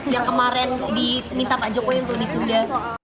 yang kemarin diminta pak jokowi untuk ditunda